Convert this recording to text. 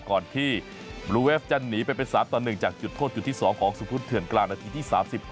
ก่อนที่บลูเวฟจะหนีไปเป็น๓ต่อ๑จากจุดโทษจุดที่๒ของสุพุทธเถื่อนกลางนาทีที่๓๖